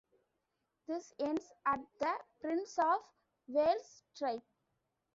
This ends at the Prince of Wales Strait.